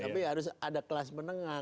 tapi harus ada kelas menengah